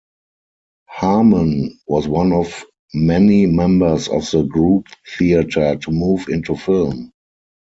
Harmon was one of many members of the Group Theatre to move into film.